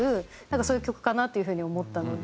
そういう曲かなっていう風に思ったので。